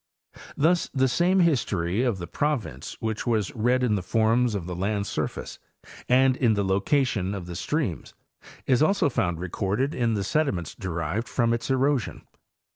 Thus the same history of the province which was read in the forms of the land surface and in the location of the streams is also found recorded in the sediments derived from its erosion.